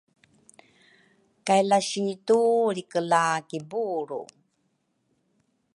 kay lasitu lrikela kibulru.